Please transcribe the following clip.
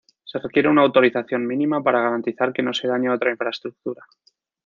Se requiere una autorización mínima para garantizar que no se dañe otra infraestructura.